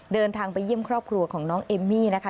เดินทางไปเยี่ยมครอบครัวของน้องเอมมี่นะคะ